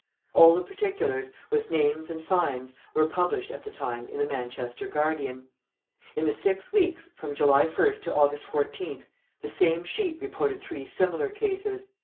All the particulars, with names and fines, were published at the time in the Manchester Guardian. In the six weeks, from July 1st to August 14th, the same sheet reported three similar cases.